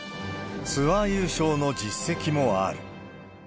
ツアー優勝の実績もある。